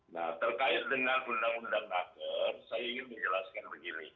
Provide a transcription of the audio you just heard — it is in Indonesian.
nah terkait dengan undang undang naker saya ingin menjelaskan begini